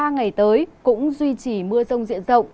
ba ngày tới cũng duy trì mưa rông diện rộng